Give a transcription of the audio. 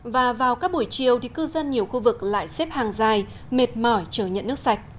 và vào các buổi chiều thì cư dân nhiều khu vực lại xếp hàng dài mệt mỏi chờ nhận nước sạch